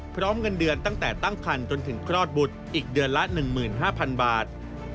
พร้อมเงินเดือนตั้งแต่ตั้งคันจนถึงคลอดบุตรอีกเดือนละ๑๕๐๐๐บาท